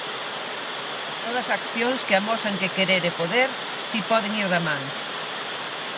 Todas accións que amosan que querer e poder si poden ir da man.